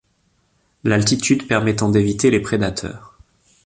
L'altitude permettant d'éviter les prédateurs.